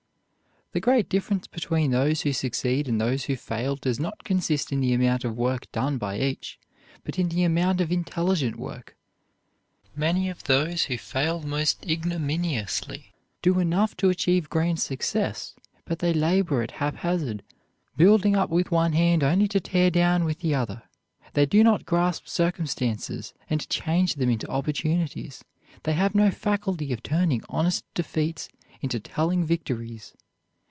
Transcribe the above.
The great difference between those who succeed and those who fail does not consist in the amount of work done by each, but in the amount of intelligent work. Many of those who fail most ignominiously do enough to achieve grand success; but they labor at haphazard, building up with one hand only to tear down with the other. They do not grasp circumstances and change them into opportunities. They have no faculty of turning honest defeats into telling victories.